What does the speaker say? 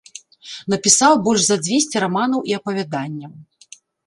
Напісаў больш за дзвесце раманаў і апавяданняў.